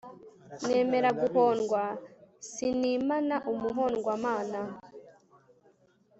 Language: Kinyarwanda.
Nemera guhondwa sinimana umuhondwamana